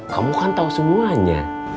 kamu kan tau semuanya